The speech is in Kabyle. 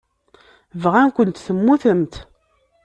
Bɣan-kent temmutemt.